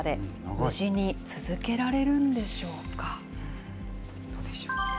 無事に続けられるんでしょうか。